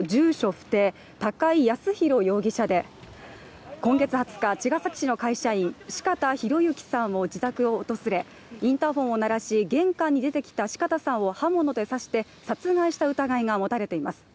不定・高井靖弘容疑者で今月２０日、茅ヶ崎市の会社員、四方洋行さんの自宅を訪れインターフォンを鳴らし、玄関に出てきた四方さんを刃物で刺して殺害した疑いが持たれています。